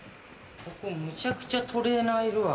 ここむちゃくちゃトレーナーいるわ。